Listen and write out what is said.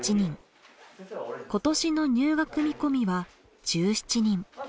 今年の入学見込みは１７人。